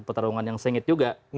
petarungan yang sengit juga